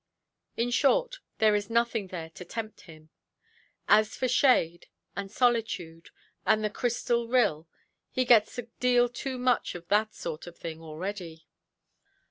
In short, there is nothing there to tempt him. As for shade, and solitude, and the crystal rill, he gets a deal too much of that sort of thing already.